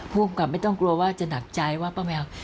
ภูมิกับไม่ต้องกลัวว่าจะหนักใจว่าป้าแมว